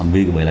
vì vậy là